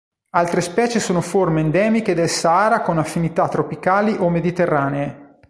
Altre specie sono forme endemiche del Sahara con affinità tropicali o mediterranee.